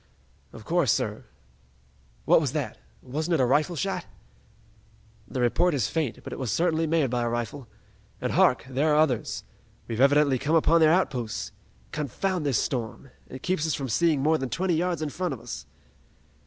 "Of course, sir! What was that? Wasn't it a rifle shot?" "The report is faint, but it was certainly made by a rifle. And hark, there are others! We've evidently come upon their outposts! Confound this storm! It keeps us from seeing more than twenty yards in front of us!"